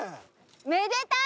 めでたい！